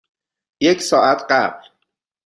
یک ساعت قبل.